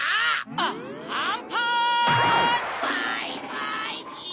アンアン。